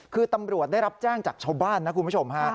คือตำรวจได้รับแจ้งจากชาวบ้านนะคุณผู้ชมฮะ